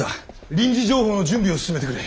臨時情報の準備を進めてくれ。